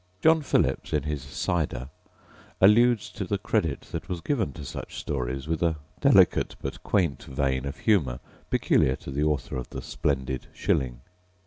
John Philips, in his Cyder, alludes to the credit that was given to such stories with a delicate but quaint vein of humour peculiar to the author of the Splendid Shilling.